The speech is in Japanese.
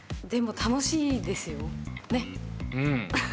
でも楽しいですよ